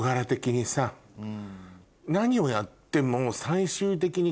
何をやっても。